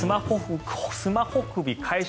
スマホ首解消